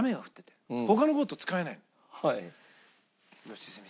はい。